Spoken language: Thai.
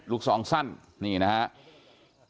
ซองสั้นนี่นะครับ